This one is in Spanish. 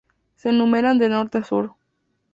Se enumeran de norte a sur.